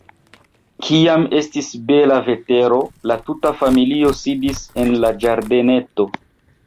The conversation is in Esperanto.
Kiam estis bela vetero, la tuta familio sidis en la ĝardeneto.